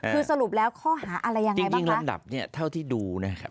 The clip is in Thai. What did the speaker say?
คือสรุปแล้วข้อหาอะไรยังไงบ้างลำดับเนี่ยเท่าที่ดูนะครับ